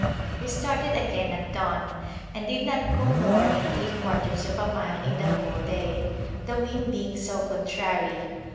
We started again at dawn, and did not go more than three quarters of a mile in the whole day, the wind being so contrary.